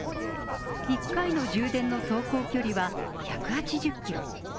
１回の充電の走行距離は１８０キロ。